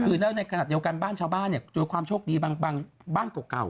คือแล้วในขณะเดียวกันบ้านชาวบ้านเนี่ยเจอความโชคดีบางบ้านเก่า